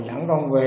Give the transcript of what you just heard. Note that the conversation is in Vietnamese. vẫn không về